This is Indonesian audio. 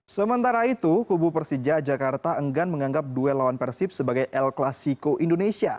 sementara itu kubu persija jakarta enggan menganggap duel lawan persib sebagai el klasiko indonesia